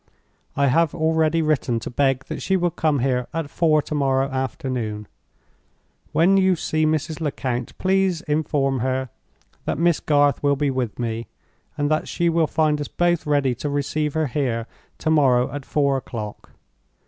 I have already written to beg that she will come here at four to morrow afternoon. When you see Mrs. Lecount, please inform her that Miss Garth will be with me, and that she will find us both ready to receive her here to morrow at four o'clock.